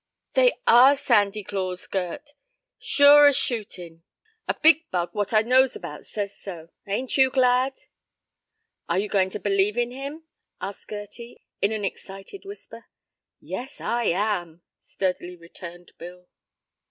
"They are a Sandy Claus, Gert, sure as shootin'! A big bug what I knows about says so. Ain't you glad?" "Are you goin' to believe in him?" asked Gerty, in an excited whisper. "Yes, I am," sturdily returned Bill.